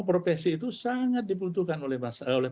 profesi itu sangat dibutuhkan oleh